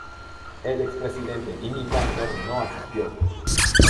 El expresidente Jimmy Carter no asistió.